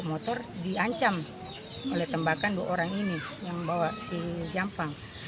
oleh tembakan dua orang ini yang membawa si jampang